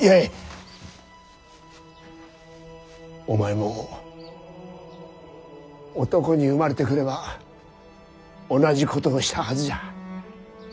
お前も男に生まれてくれば同じことをしたはずじゃ。